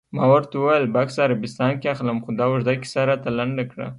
ما ورته وویل: بکس عربستان کې اخلم، خو دا اوږده کیسه راته لنډه کړه.